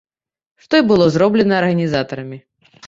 Што і было зроблена арганізатарамі.